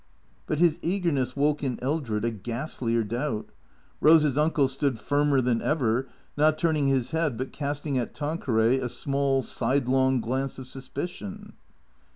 But his eagerness woke in Eldred a ghastlier doubt. Eose's uncle stood firmer than ever, not turning his head, but casting at Tanqueray a small, sidelong glance of suspicion.